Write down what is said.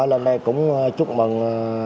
lên đây cũng chúc mừng